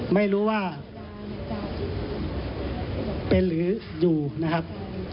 ไม่รู้ว่าเป็นหรืออยู่นะครับ